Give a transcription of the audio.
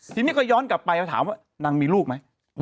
ทีนี้ก็ย้อนกลับไปแล้วถามว่านางมีลูกไหม